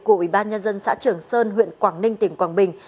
của ủy ban nhân dân xã trường sơn huyện quảng ninh tỉnh quảng bình